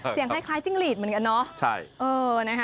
คล้ายจิ้งหลีดเหมือนกันเนาะ